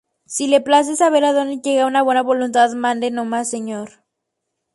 si le place saber a dónde llega una buena voluntad, mande no más, señor.